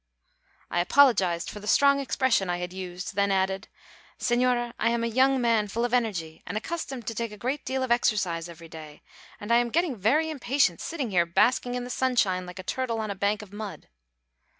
I apologised for the strong expression I had used; then added, "Señora, I am a young man full of energy and accustomed to take a great deal of exercise every day, and I am getting very impatient sitting here basking in the sunshine, like a turtle on a bank of mud."